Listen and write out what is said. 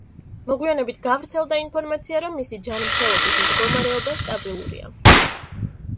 მოგვიანებით გავრცელდა ინფორმაცია, რომ მისი ჯანმრთელობის მდგომარეობა სტაბილურია.